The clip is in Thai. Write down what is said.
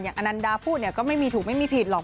อนันดาพูดเนี่ยก็ไม่มีถูกไม่มีผิดหรอก